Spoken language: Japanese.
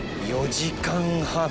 「４時間半！」